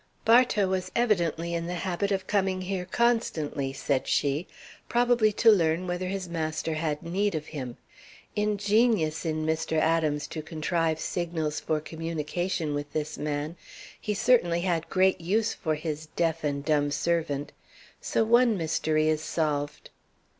"Bartow was evidently in the habit of coming here constantly," said she, "probably to learn whether his master had need of him. Ingenious in Mr. Adams to contrive signals for communication with this man! He certainly had great use for his deaf and dumb servant. So one mystery is solved!"